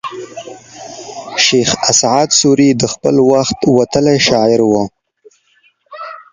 شېخ اسعد سوري د خپل وخت وتلى شاعر وو.